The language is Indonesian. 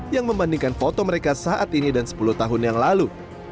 yang membandingkan foto mereka saat ini dan sepuluh tahun yang lalu